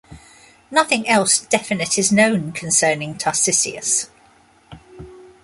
Nothing else definite is known concerning Tarcisius.